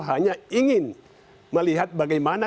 hanya ingin melihat bagaimana